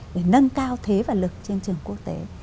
để nâng cao thế và lực trên trường quốc tế